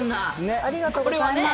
ありがとうございます。